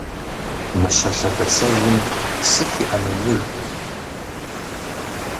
Мыщэ лъэбыцэжьым сыт и Ӏэмалыжт?